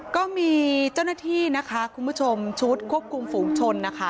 ก็มีเจ้าหน้าที่นะคะคุณผู้ชมชุดควบคุมฝูงชนนะคะ